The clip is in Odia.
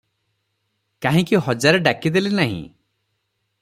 କାହିଁକି ହଜାରେ ଡାକିଦେଲି ନାହିଁ?